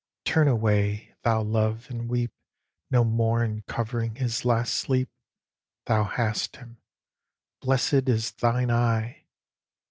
Turn away, thou Love, and weep No more in covering his last sleep; Thou hast him blessed is thine eye!